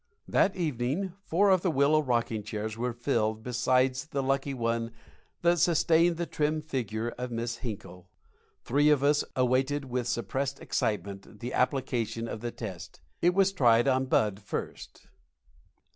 That evening four of the willow rocking chairs were filled besides the lucky one that sustained the trim figure of Miss Hinkle. Three of us awaited with suppressed excitement the application of the test. It was tried on Bud first.